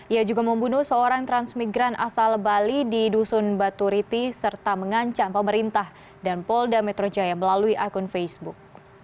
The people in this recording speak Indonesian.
ia juga membunuh seorang transmigran asal bali di dusun baturiti serta mengancam pemerintah dan polda metro jaya melalui akun facebook